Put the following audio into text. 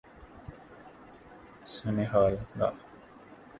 Sinhala